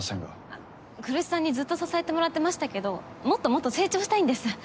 あっ来栖さんにずっと支えてもらってましたけどもっともっと成長したいんです。